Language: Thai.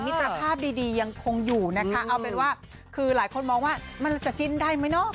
ตรภาพดียังคงอยู่นะคะเอาเป็นว่าคือหลายคนมองว่ามันจะจิ้นได้ไหมเนาะ